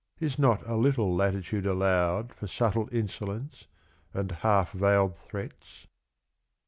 Is not a little latitude allowed For subtle insolence, and half veiled threats